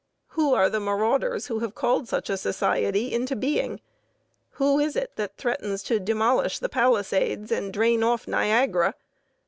Who are the marauders who have called such a society into being? Who is it that threatens to demolish the Palisades and drain off Niagara?